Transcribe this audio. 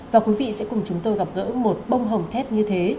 và quý vị sẽ cùng chúng tôi gặp gỡ một bông hồng thép như thế